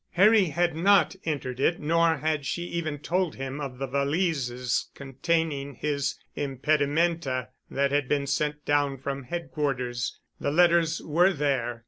Harry had not entered it nor had she even told him of the valises containing his impedimenta that had been sent down from headquarters. The letters were there.